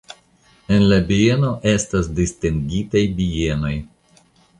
El la bieno estas distingitaj bienoj.